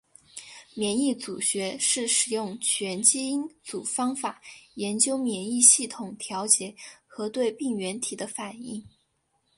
免疫组学是使用全基因组方法研究免疫系统调节和对病原体的反应。